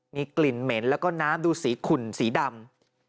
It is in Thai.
มีกลิ่นเหม็นแล้วก็น้ำดูสีขุ่นสีดำ